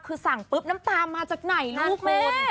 คือสั่งปุ๊บน้ำตามาจากไหนลูกคุณ